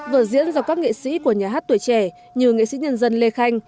vở diễn do các nghệ sĩ của nhà hát tuổi trẻ như nghệ sĩ nhân dân lê khanh